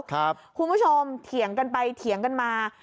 คุณผู้ชมเถียงกันไปเถียงกันมา